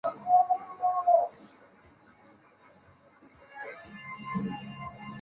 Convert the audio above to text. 圣朱利安德克朗普斯。